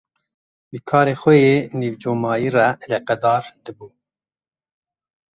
Bi karê xwe yê nîvcomayî re eleqedar dibû.